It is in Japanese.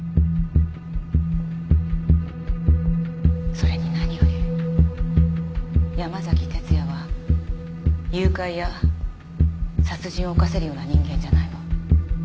それに何より山崎哲也は誘拐や殺人を犯せるような人間じゃないわ。